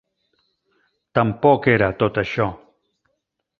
Tampoc era tot això.